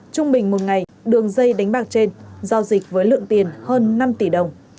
trung bình một ngày đường dây đánh bạc trên giao dịch với lượng tiền hơn năm tỷ đồng